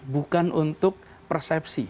bukan untuk persepsi